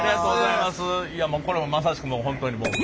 いやこれもまさしく本当にもう。